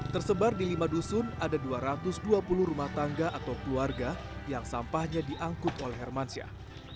tersebar di lima dusun ada dua ratus dua puluh rumah tangga atau keluarga yang sampahnya diangkut oleh hermansyah